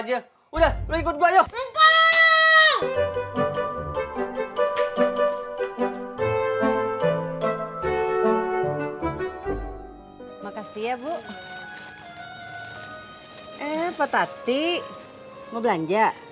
eh patati mau belanja